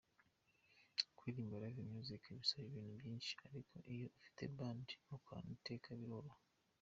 Kuririmba live music bisaba ibintu byinshi ariko iyo ufite Band mukorana iteka, biroroha.